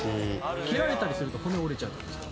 蹴られたりすると骨折れちゃうんですか？